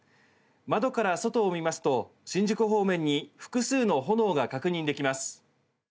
窓から外を見ますと新宿方面に複数の炎が確認できます。